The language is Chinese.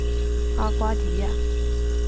阿瓜迪亚。